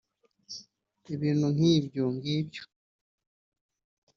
ibintu nk’ibyo ng’ibyo